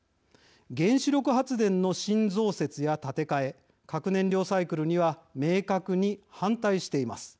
「原子力発電の新増設や建て替え核燃料サイクルには明確に反対しています。